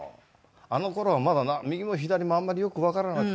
あの頃はまだ右も左もあんまりよくわからなくて。